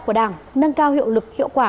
của đảng nâng cao hiệu lực hiệu quả